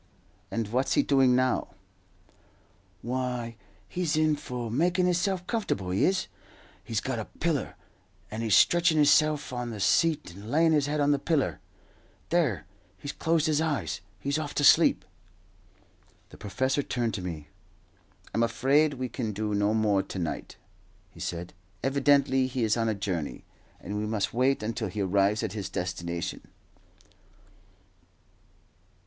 "And what's he doing now?" "Why, he's in for makin' hisself comfortable, he is. He's got a piller, and he's stretchin' hisself on the seat and layin' his head on the piller. There, he's closed his eyes he's off to sleep." The professor turned to me. "I am afraid we can do no more to night," he said. "Evidently he is on a journey, and we must wait until he arrives at his destination."